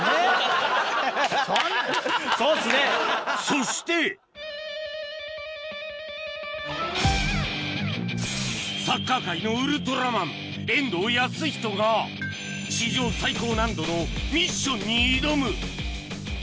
そしてサッカー界のウルトラマン史上最高難度のミッションに挑む